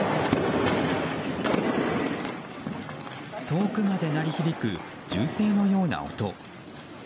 遠くまで鳴り響く銃声のような音。